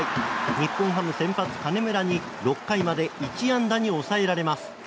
日本ハム先発、金村に６回まで１安打に抑えられます。